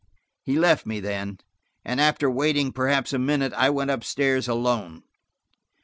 He left me then, and after waiting perhaps a minute, I went up stairs alone.